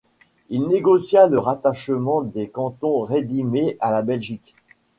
Il négocia le rattachement des cantons rédimés à la Belgique.